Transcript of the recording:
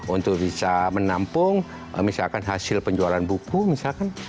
untuk bisa menampung misalkan hasil penjualan buku misalkan